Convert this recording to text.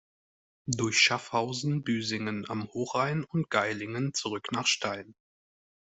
Durch Schaffhausen, Büsingen am Hochrhein und Gailingen zurück nach Stein.